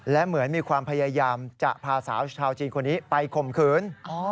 และเหมือนมีความพยายามจะพาสาวชาวจีนคนนี้ไปข่มขืน